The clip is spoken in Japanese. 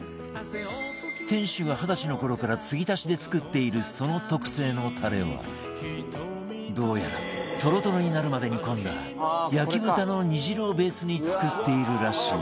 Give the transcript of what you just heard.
店主が二十歳の頃から継ぎ足しで作っているその特製のタレはどうやらトロトロになるまで煮込んだ焼豚の煮汁をベースに作っているらしい